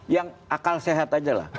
yang akal sehat aja lah